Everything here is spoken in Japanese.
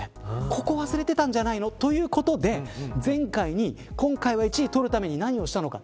ここを忘れてたんじゃないのということで今回は１位を取るために何をしたのか。